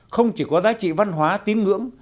không chỉ có giá trị văn hóa tín ngưỡng